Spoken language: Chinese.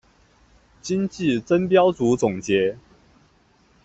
今季争标组总结。